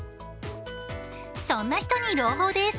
そんな人に朗報です。